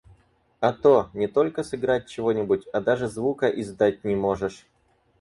А то, не только сыграть чего-нибудь, а даже звука издать не можешь!